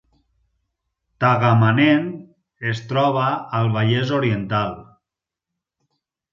Tagamanent es troba al Vallès Oriental